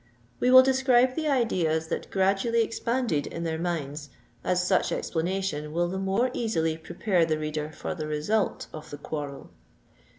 We will describe the ideas that gradually expanded in their minds, as such explanation will the more easily prepare the reader for the result of the quarrel.